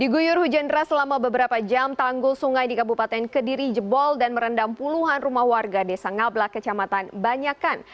di guyur hujan deras selama beberapa jam tanggul sungai di kabupaten kediri jebol dan merendam puluhan rumah warga desa ngablak kecamatan banyakan